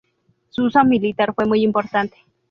Su uso militar fue muy importante.